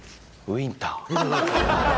ウィンター。